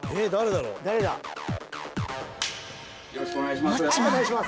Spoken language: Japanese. よろしくお願いします。